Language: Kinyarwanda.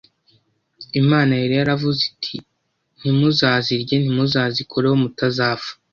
Imana yari yaravuze iti: “Ntimuzazirye, ntimuzazikoreho, mutazapfa